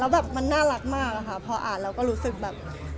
แบบมันน่ารักมากอะค่ะพออ่านแล้วก็รู้สึกแบบ